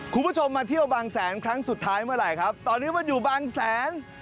คุณผู้ชมมาเที่ยวบางแสนครั้งสุดท้ายเมื่อไหร่ครับตอนนี้มันอยู่บางแสน